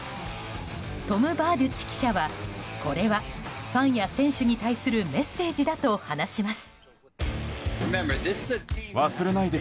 トム・バーデュッチ記者はこれはファンや選手に対するメッセージだと話します。